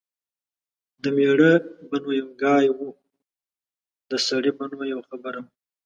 د مېړه به نو یو ګای و . د سړي به نو یوه خبره وه